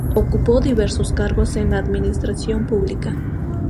Ocupó diversos cargos en la administración pública.